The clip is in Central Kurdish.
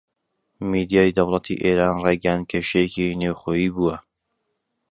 میدیای دەوڵەتی ئێران ڕایگەیاند کێشەیەکی نێوخۆیی بووە